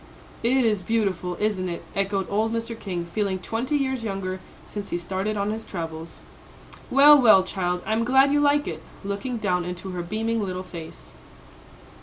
"It is beautiful, isn't it?" echoed old Mr. King, feeling twenty years younger since he started on his travels. "Well, well, child, I'm glad you like it," looking down into her beaming little face.